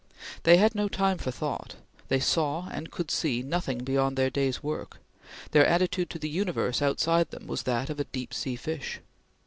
They had no time for thought; they saw, and could see, nothing beyond their day's work; their attitude to the universe outside them was that of the deep sea fish.